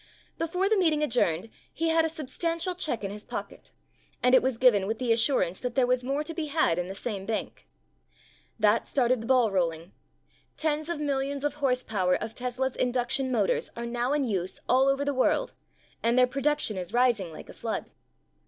Before the meeting adjourned he had a substantial check in his pocket, and it was given with the assurance that there was more to be had in the same bank. That started the ball rolling. Tens of millions of horse power of Tesla's induction motors are now in use all over the world and their produc tion is rising like a flood.